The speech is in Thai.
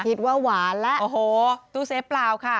คิดว่าหวานแล้วโอ้โหตู้เซฟเปล่าค่ะ